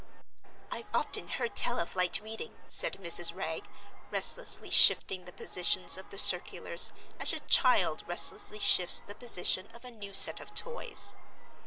"I've often heard tell of light reading," said Mrs. Wragge, restlessly shifting the positions of the circulars as a child restlessly shifts the position of a new set of toys.